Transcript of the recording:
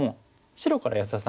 白から安田さん